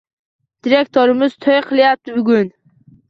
Direktorimiz toʻy qilyapti bugun